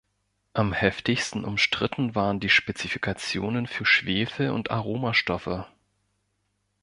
Am heftigsten umstritten waren die Spezifikationen für Schwefel und Aromastoffe.